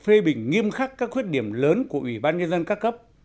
với việc phê bình nghiêm khắc các khuyết điểm lớn của ủy ban nhân dân các cấp